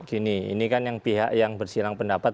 jadi gini ini kan yang bersilang pendapat